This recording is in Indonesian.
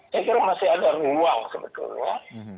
saya kira masih ada ruang sebetulnya